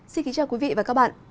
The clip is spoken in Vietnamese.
xin kính chào quý vị và các bạn